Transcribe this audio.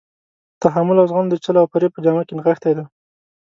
تحمل او زغم د چل او فریب په جامه کې نغښتی دی.